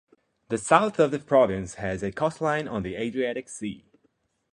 The south of the province has a coastline on the Adriatic Sea.